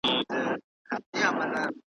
نه د چا په زړه کي رحم، نه زړه سوی وو `